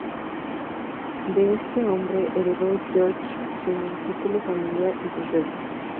De este hombre heredó George su título familiar y sus deudas.